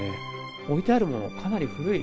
置いてあるもの、かなり古い。